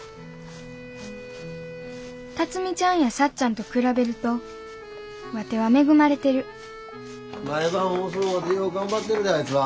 辰美ちゃんやさっちゃんと比べるとワテは恵まれてる毎晩遅うまでよう頑張ってるであいつは。